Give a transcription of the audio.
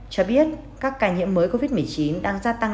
cho biết các ca nhiễm mới covid một mươi chín